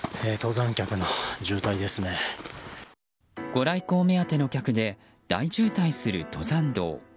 ご来光目当ての客で大渋滞する登山道。